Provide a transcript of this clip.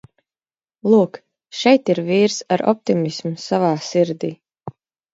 Lūk šeit ir vīrs ar optimismu savā sirdī!